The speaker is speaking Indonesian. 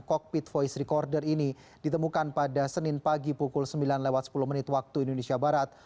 cockpit voice recorder ini ditemukan pada senin pagi pukul sembilan lewat sepuluh menit waktu indonesia barat